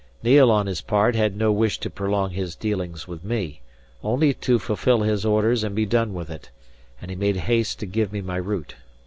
Neil on his part had no wish to prolong his dealings with me, only to fulfil his orders and be done with it; and he made haste to give me my route.